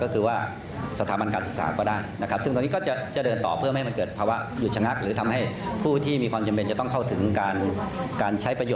แต่ตรงนี้อาหารทำออกถึงครับ